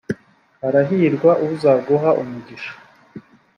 arahirwa uzaguha umugisha.